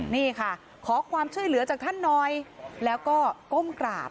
นี่ค่ะขอความช่วยเหลือจากท่านหน่อยแล้วก็ก้มกราบ